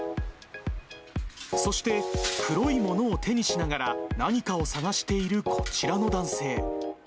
そして、黒いものを手にしながら、何かを探しているこちらの男性。